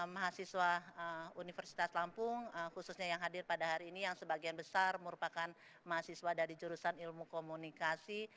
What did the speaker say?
mahasiswa universitas lampung khususnya yang hadir pada hari ini yang sebagian besar merupakan mahasiswa dari jurusan ilmu komunikasi